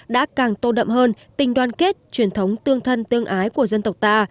đã càng tôn đậm hơn tình đoan kết truyền thống tương thân tương ái của dân tộc ta